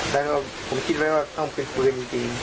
แต่ผมคิดไว้ว่าต้องเป็นปืนจริงจริง